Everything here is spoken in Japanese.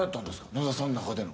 野田さんの中での。